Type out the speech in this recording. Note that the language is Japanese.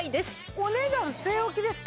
お値段据え置きですか？